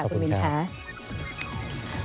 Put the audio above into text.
ขอบคุณครับ